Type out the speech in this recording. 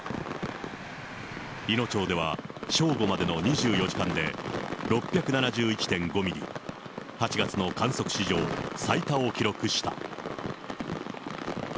いの町では正午までの２４時間で６７１．５ミリ、８月の観測史上最多を記録した。